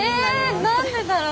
何でだろう。